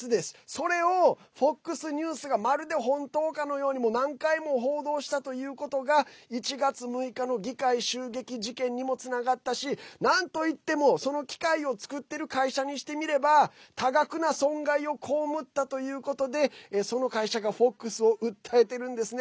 それをＦＯＸニュースがまるで本当かのように何回も報道したということが１月６日の議会襲撃事件にもつながったしなんといっても、その機械を作っている会社にしてみれば多額な損害を被ったということでその会社がＦＯＸを訴えているんですね。